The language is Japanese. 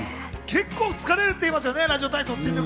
結構、疲れるって言いますよね？